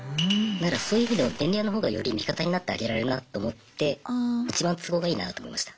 そういう意味でも便利屋のほうがより味方になってあげられるなと思っていちばん都合がいいなと思いました。